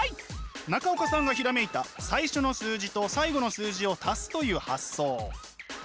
中岡さんがひらめいた最初の数字と最後の数字を足すという発想。